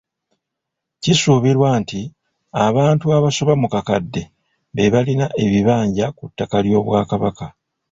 Kisuubirwa nti abantu abasoba mu kakadde be balina ebibanja ku ttaka ly'Obwakabaka.